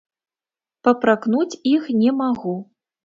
Папракнуць іх не магу.